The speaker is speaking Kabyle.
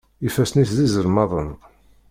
Ifassen-is d izelmaḍen.